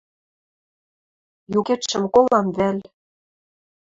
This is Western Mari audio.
Юкетшӹм колам вӓл?